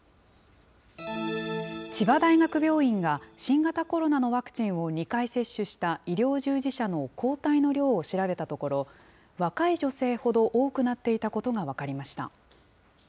千葉大学病院が、新型コロナのワクチンを２回接種した医療従事者の抗体の量を調べたところ、若い女性ほど多くなっていたことが分かりました。